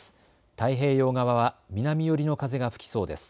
太平洋側は南寄りの風が吹きそうです。